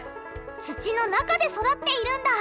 土の中で育っているんだ！